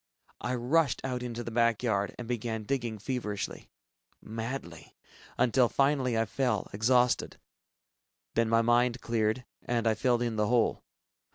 I rushed out into the back yard, and began digging feverishly ... madly, until finally I fell, exhausted. Then my mind cleared and I filled in the hole.